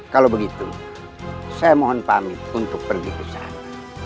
kalau begitu saya mohon pamit untuk pergi ke sana